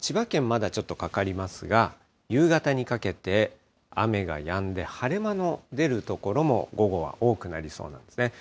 まだちょっとかかりますが、夕方にかけて、雨がやんで、晴れ間の出る所も、午後は多くなりそうなんですね。